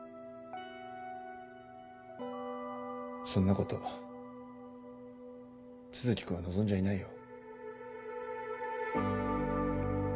そんなこと都築君は望んじゃいないよ。